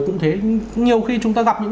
cũng thế nhiều khi chúng ta gặp những